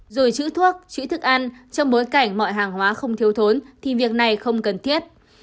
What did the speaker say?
rồi chữ thuốc chữ thức ăn trong bối cảnh mọi hàng hóa không thiếu thốn thì việc này không cần thiết